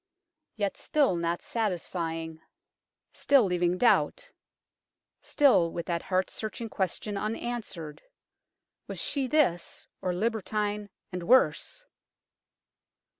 Yet still not satisfying ; THE BAGA DE SECRETIS 157 still leaving doubt ; still with that heart searching question unanswered, was she this, or libertine, and worse